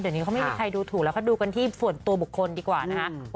เดี๋ยวนี้เขาไม่มีใครดูถูกแล้วก็ดูกันที่ส่วนตัวบุคคลดีกว่านะคะ